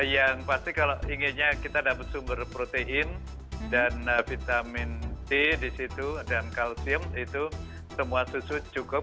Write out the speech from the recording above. yang pasti kalau inginnya kita dapat sumber protein dan vitamin c di situ dan kalsium itu semua susu cukup